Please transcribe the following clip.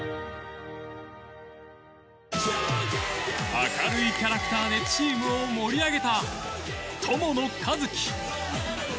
明るいキャラクターでチームを盛り上げた友野一希。